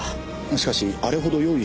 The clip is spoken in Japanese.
しかしあれほど用意